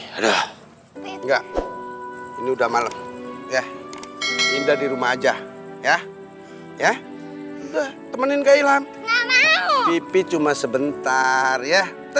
ngira lagi udah udah malem ya indah di rumah aja ya ya temenin ke ilham pipi cuma sebentar ya